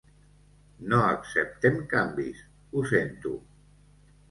No acceptem canvis, ho sento.